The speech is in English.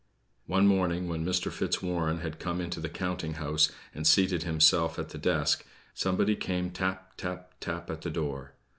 One morning, when Mr. Fitzwarren had come into the counting house, and seated himself at the desk, somebody came tap, tap, tap, at the door.